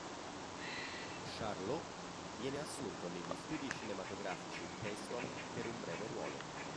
Charlot viene assunto negli studi cinematografici Keystone per un breve ruolo.